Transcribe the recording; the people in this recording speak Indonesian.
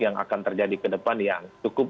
yang akan terjadi ke depan yang cukup